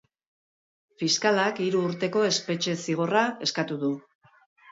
Fiskalak hiru urteko espetxe-zigorra eskatu du.